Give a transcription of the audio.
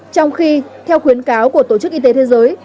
trong khi theo khuyến cáo của tổ chức y tế thế giới